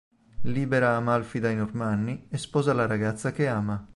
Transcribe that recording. Libera Amalfi dai normanni e sposa la ragazza che ama.